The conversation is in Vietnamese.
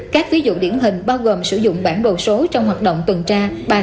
các ví dụ điển hình bao gồm sử dụng bản đồ số trong hoạt động tuần tra